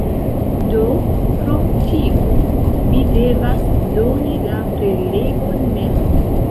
Do krom tiu, vi devas doni la prelegon mem.